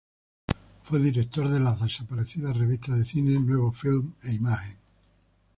Fue director de las desaparecidas revistas de cine "Nuevo Film" e "Imagen.